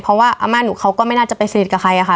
เพราะว่าอาม่าหนูเขาก็ไม่น่าจะไปสนิทกับใครค่ะ